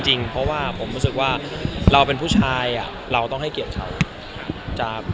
จริงนะครับเพราะเราเป็นผู้ชายต้องให้เกียรติกับเขา